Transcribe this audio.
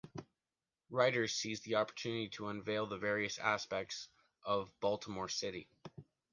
Writers seize the opportunity to unveil the various aspects of Baltimore City.